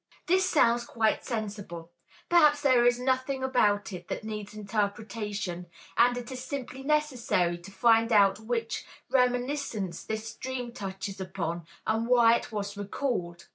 This sounds quite sensible; perhaps there is nothing about it that needs interpretation, and it is simply necessary to find out which reminiscence this dream touches upon and why it was recalled.